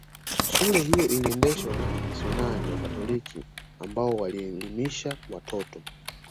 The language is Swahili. Shule hiyo iliendeshwa na wamisionari Wakatoliki ambao walielimisha watoto